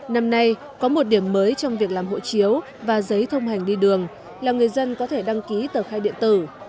năm nay có một điểm mới trong việc làm hộ chiếu và giấy thông hành đi đường là người dân có thể đăng ký tờ khai điện tử